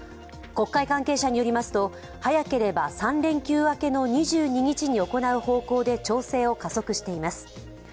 国会関係者によりますと早ければ３連休明けの２２日に行う方向で調整を加速しています。